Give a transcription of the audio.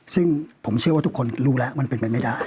ซึ่งผมเชื่อว่าทุกคนรู้แล้วมันเป็นไปไม่ได้